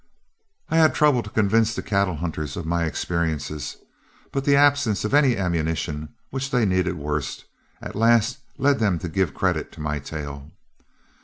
"I had trouble to convince the cattle hunters of my experiences, but the absence of any ammunition, which they needed worst, at last led them to give credit to my tale.